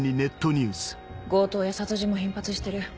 強盗や殺人も頻発してる。